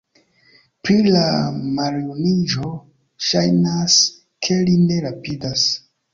Pri la maljuniĝo, ŝajnas, ke li ne rapidas.